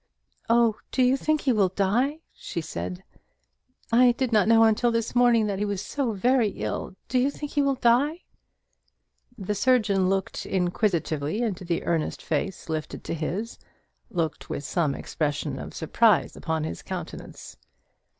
"Oh, do you think he will die?" she said. "I did not know until this morning that he was so very ill. Do you think he will die?" The surgeon looked inquisitively into the earnest face lifted to his looked with some expression of surprise upon his countenance.